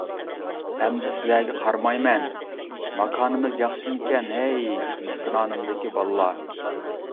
ئەمدى سىلەرگە قارىمايمەن. ماكانىمىز ياخشىمىكەن ھەي مىسرانىمدىكى بالىلار!